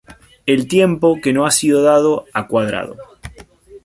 Tiempo que no ha sido dado a Cuadrado.